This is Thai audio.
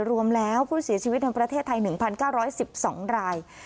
รวมแล้วผู้เสียชีวิตในประเทศไทย๑๙๑๒ราย